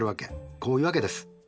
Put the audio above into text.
こういうわけです。